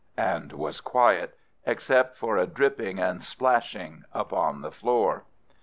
and was quiet, except for a dripping and splashing upon the floor.